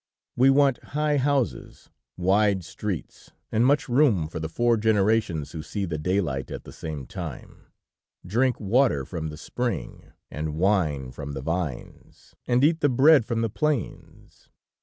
We want high houses, wide streets, and much room for the four generations who see the daylight at the same time, drink water from the spring, and wine from the vines, and eat the bread from the plains.